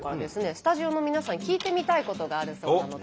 スタジオの皆さんに聞いてみたいことがあるそうなので。